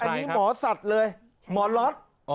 อันนี้หมอสัตว์เลยหมอล็อต